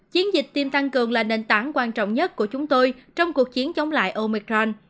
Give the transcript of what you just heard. chiến dịch tiêm tăng cường là nền tảng quan trọng nhất của chúng tôi trong cuộc chiến chống lại omicron